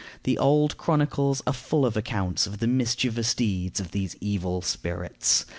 The old chronicles are full of accounts of the mischievous deeds of these evil spirits.